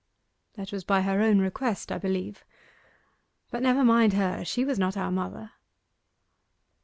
'That was by her own request, I believe. But never mind her; she was not our mother.